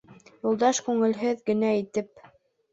Юлдаш күңелһеҙ генә итеп: